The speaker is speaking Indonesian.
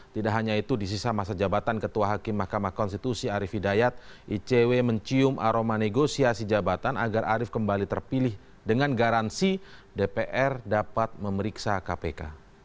tidak hanya itu di sisa masa jabatan ketua hakim mahkamah konstitusi arief hidayat icw mencium aroma negosiasi jabatan agar arief kembali terpilih dengan garansi dpr dapat memeriksa kpk